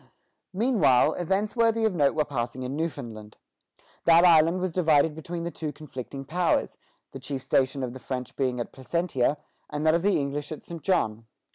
Meanwhile events worthy of note were passing in Newfoundland. That island was divided between the two conflicting powers, the chief station of the French being at Placentia, and that of the English at St. John.